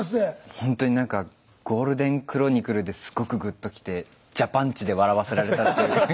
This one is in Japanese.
ほんとになんかゴールデンクロニクルですごくグッときてジャパンチで笑わせられたっていう。